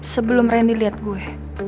sebelum randy liat gue